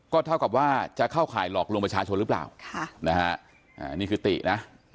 ก็เท่ากับว่าจะเข้าข่ายหลอกลวงประชาชนหรือเปล่านี่คือตินะ